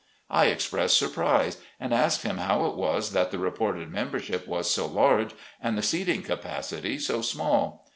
I expressed surprise, and asked him how it was that the reported membership was so large and the seating capacity so small.